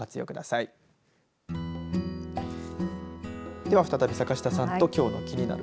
では再び坂下さんときょうのキニナル！